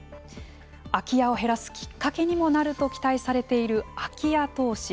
空き家を減らすきっかけにもなると期待されている空き家投資。